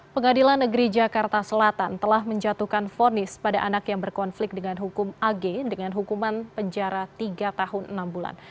pengadilan negeri jakarta selatan telah menjatuhkan fonis pada anak yang berkonflik dengan hukum ag dengan hukuman penjara tiga tahun enam bulan